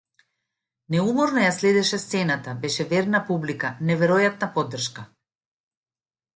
Неуморно ја следеше сцената, беше верна публика, неверојатна поддршка.